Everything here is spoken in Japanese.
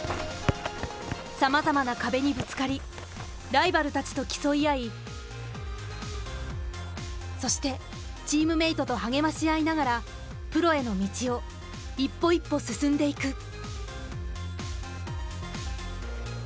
さまざまな壁にぶつかりライバルたちと競い合いそしてチームメートと励まし合いながらプロへの道を一歩一歩進んでいく。